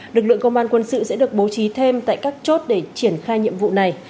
lực lượng công an quân sự sẽ được bố trí thêm tại các chốt để triển khai nhiệm vụ này